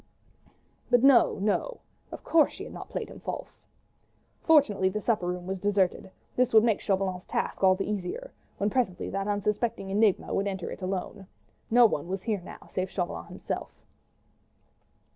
But no, no! of course she had not played him false! Fortunately the supper room was deserted: this would make Chauvelin's task all the easier, when presently that unsuspecting enigma would enter it alone. No one was here now save Chauvelin himself.